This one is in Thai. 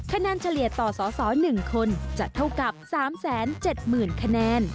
คะแนนเฉลี่ยต่อสอหนึ่งคนจะเท่ากับ๓๗๐๐๐๐คะแนน